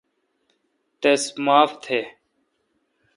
تس معاف تھ۔